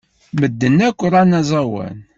Medden akk ran aẓawan.